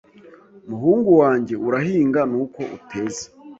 Muhungu wange Urahinga nuko uteza